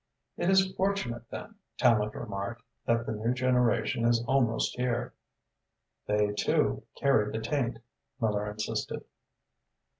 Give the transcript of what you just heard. "It is fortunate, then," Tallente remarked, "that the new generation is almost here." "They, too, carry the taint," Miller insisted.